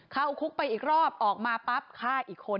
เข้าคุกไปอีกรอบออกมาปั๊บฆ่าอีกคน